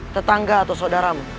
tetangga atau saudaramu